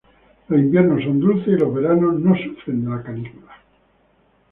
Los inviernos son dulces y los veranos no sufren de la canícula.